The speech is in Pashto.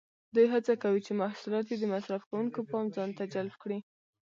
دوی هڅه کوي چې محصولات یې د مصرف کوونکو پام ځانته جلب کړي.